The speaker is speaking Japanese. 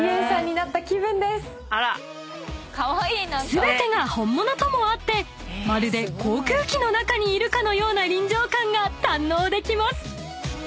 ［全てが本物ともあってまるで航空機の中にいるかのような臨場感が堪能できます］